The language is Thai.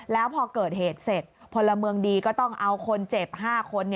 แล้วพอเกิดเหตุเสร็จพลเมืองดีก็ต้องเอาคนเจ็บ๕คน